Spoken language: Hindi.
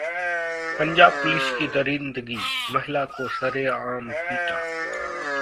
पंजाब पुलिस की दरिंदगी, महिला को सरेआम पीटा